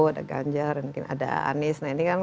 ada ganjar mungkin ada anies nah ini kan